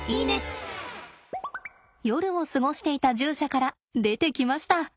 夜を過ごしていた獣舎から出てきました。